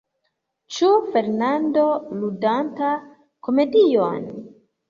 Ĉu Fernando ludanta komedion?